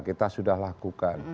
kita sudah lakukan